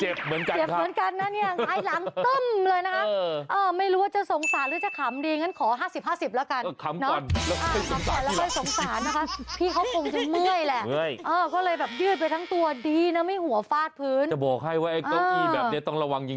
โอ้โอ้โอ้โอ้โอ้โอ้โอ้โอ้โอ้โอ้โอ้โอ้โอ้โอ้โอ้โอ้โอ้โอ้โอ้โอ้โอ้โอ้โอ้โอ้โอ้โอ้โอ้โอ้โอ้โอ้โอ้โอ้โอ้โอ้โอ้โอ้โอ้